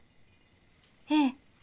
ええ。